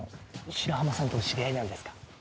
白浜さんとお知り合いなんですか？